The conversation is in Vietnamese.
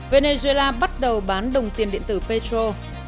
venezuela bắt đầu bán đồng tiền điện tử petro